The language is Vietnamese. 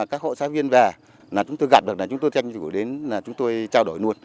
lúc nào mà các hộ xã viên về là chúng tôi gặp được là chúng tôi tranh dụng đến là chúng tôi trao đổi luôn